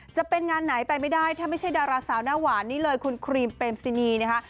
จะเป็นงานไหนไปไม่ได้ถ้าไม่ใช่ดาราสาวหน้าหวานนี่เลยคุณครีมเปมซินีนะคะ